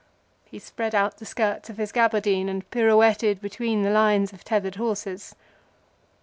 He spread out the skirts of his gaberdine and pirouetted between the lines of tethered horses.